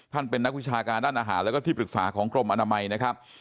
เป็นนักวิชาการด้านอาหารแล้วก็ที่ปรึกษาของกรมอนามัยนะครับ